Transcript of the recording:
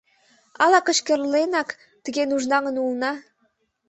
Ала, кычкырленак, тыге нужнаҥын улына?